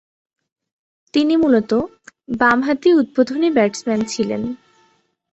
তিনি মূলতঃ বামহাতি উদ্বোধনী ব্যাটসম্যান ছিলেন।